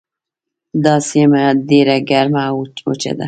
دا سیمه ډیره ګرمه او وچه ده.